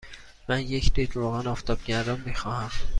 من یک لیتر روغن آفتابگردان می خواهم.